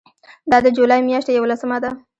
دا د جولای میاشتې یوولسمه ده.